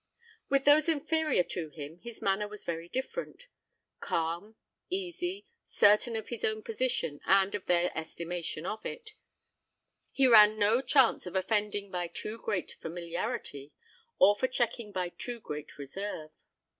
With those inferior to him, his manner was very different. Calm, easy, certain of his own position and of their estimation of it, he ran no chance of offending by too great familiarity, or of checking by too great reserve.